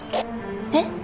えっ？